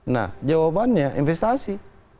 nah jawabannya investasi